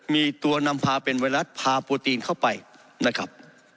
มีตัวนำพาเป็นไวรัสพาโปรตีนเข้าไปนะครับ